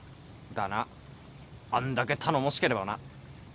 だなあんだけ頼もしければな。